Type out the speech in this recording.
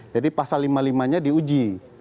jadi pasal lima puluh lima nya di uji